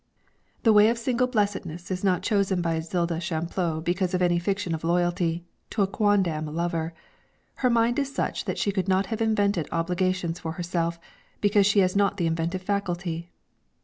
The way of single blessedness is not chosen by Zilda Chaplot because of any fiction of loyalty to a quondam lover. Her mind is such that she could not have invented obligations for herself, because she has not the inventive faculty.